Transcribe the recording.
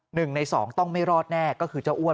หนึ่งในสองต้องไม่รอดแน่ก็คือเจ้าอ้วน